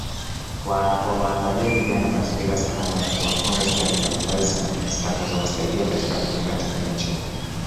Wawaandalie vijana mazingira salama na kuwafunza stadi mbalimbali zitakazowasaidia katika kujenga tabia njema